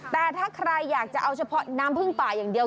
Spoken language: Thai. แต่ถ้าใครอยากจะเอาเฉพาะน้ำพึ่งป่าอย่างเดียว